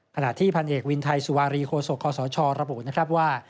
ขณะที่พันธ์เอกวินไทยสุวารีโคสกขอสชรับบุญนะครับว่า